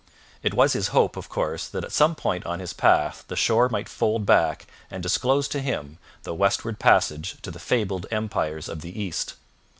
It was his hope, of course, that at some point on his path the shore might fold back and disclose to him the westward passage to the fabled empires of the East.